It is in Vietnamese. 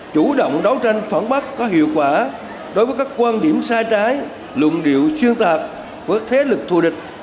chủ động đấu tranh phản bác có hiệu quả đối với các quan điểm sai trái lụng điệu xuyên tạc với thế lực thù địch